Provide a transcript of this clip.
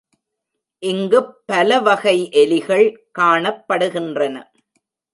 இங்குப் பலவகை எலிகள் காணப்படுகின்றன.